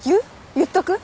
言っとく？